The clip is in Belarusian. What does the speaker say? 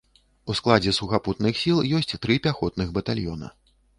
У складзе сухапутных сіл ёсць тры пяхотных батальёна.